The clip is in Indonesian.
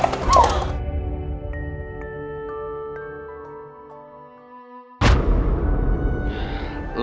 eh itu dia